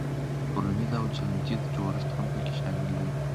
تولنیز او چلندیز جوړښت هم پکې شامل دی.